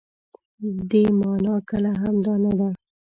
دې مانا کله هم دا نه ده.